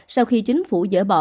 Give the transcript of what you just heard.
sau khi chính phủ dỡ bỏ